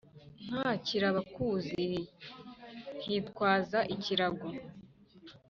ntakira abakuzi, nkitwaza ikirago.